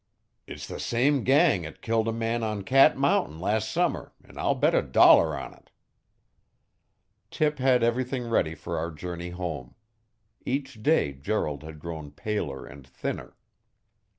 'It's the same gang 'at killed a man on Cat Mountain las' summer, an' I'll bet a dollar on it.' Tip had everything ready for our journey home. Each day Gerald had grown paler and thinner.